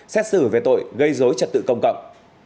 xét xử về tội gây dối trật tự công cộng